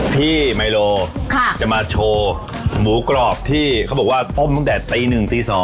ไมโลจะมาโชว์หมูกรอบที่เขาบอกว่าต้มตั้งแต่ตี๑ตี๒